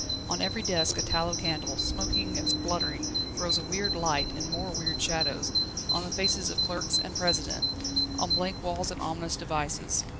On every desk a tallow candle, smoking and spluttering, throws a weird light, and more weird shadows, on the faces of clerks and President, on blank walls and ominous devices.